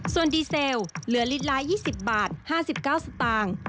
ส่วนดีเซลเหลือลิตรละ๒๐บาท๕๙สตางค์